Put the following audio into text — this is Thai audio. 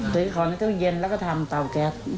ถือของในตู้เย็นแล้วก็ทำเตาแก๊ส